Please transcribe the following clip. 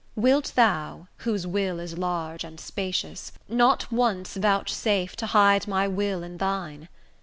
Wilt thou, whose will is large and spacious, Not once vouchsafe to hide my will in thine?